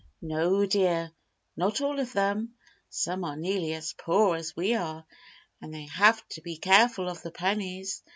"No, dear, not all of them. Some are nearly as poor as we are, and they have to be careful of the pennies.